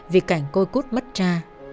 vì cảnh côi cút mất ra